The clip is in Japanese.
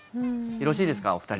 よろしいですか、お二人。